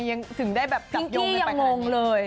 สภิงกี้ยังมงเลย